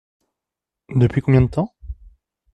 Depuis combien de temps ?